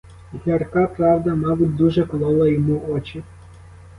Гірка правда, мабуть, дуже колола йому очі.